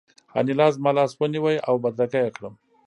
انیلا زما لاس ونیو او بدرګه یې کړم